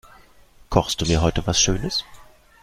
Kochst du mir heute was schönes?